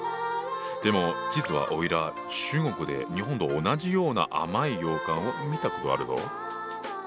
でも実はおいら中国で日本と同じような甘い羊羹を見たことあるぞ。